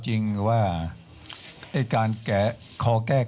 ขอบพระคุณนะครับ